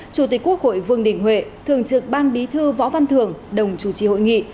chủ tịch quốc hội vương đình huệ thường trực ban bí thư võ văn thường đồng chủ trì hội nghị